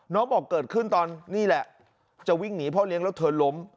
บอกเกิดขึ้นตอนนี่แหละจะวิ่งหนีพ่อเลี้ยงแล้วเธอล้ม